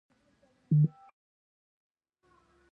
د یوه معتبر سند حیثیت غوره کړ.